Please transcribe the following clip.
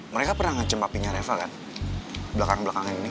mereka pernah ngecempak pingin reva kan belakang belakang ini